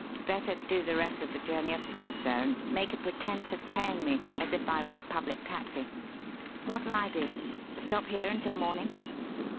Better do the rest of the journey afoot, sir, and make a pretence of paying me as if I was a public taxi. What'll I do? Stop here until morning?"